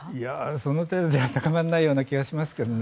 その程度じゃ高まらないような気がしますけどね。